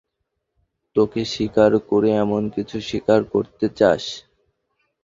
তোকে শিকার করে এমনকিছু শিকার করতে চাস?